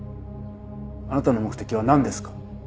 あなたの目的はなんですか？